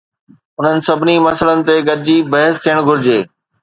انهن سڀني مسئلن تي گڏجي بحث ٿيڻ گهرجي